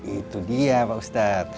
itu dia pak ustadz